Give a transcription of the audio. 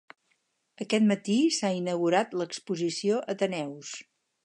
Aquest matí s'ha inaugurat l'exposició Ateneus.